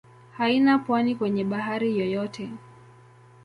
Haina pwani kwenye bahari yoyote.